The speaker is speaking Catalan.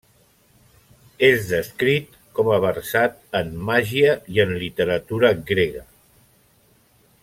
És descrit com a versat en màgia i en literatura grega.